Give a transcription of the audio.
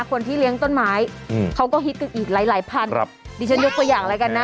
คนที่เลี้ยงต้นไม้อืมเขาก็ฮิตกันอีกหลายหลายพันครับดิฉันยกตัวอย่างแล้วกันนะ